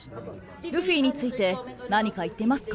ルフィについて、何か言っていますか？